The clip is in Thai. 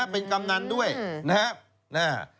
เป็นกำนันด้วยนะครับ